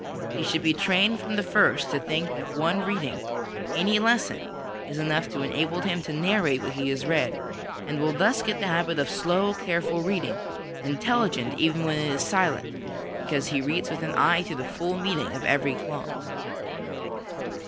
He should be trained from the first to think that one reading of any lesson is enough to enable him to narrate what he has read, and will thus get the habit of slow, careful reading, intelligent even when it is silent, because he reads with an eye to the full meaning of every clause.